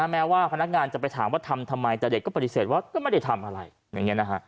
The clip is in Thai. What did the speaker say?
แม้ว่าพนักงานจะไปถามว่าทำทำไมแต่เด็กก็ปฏิเสธว่าก็ไม่ได้ทำอะไรอย่างนี้นะฮะ